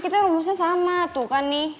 kita rumusnya sama tuh kan nih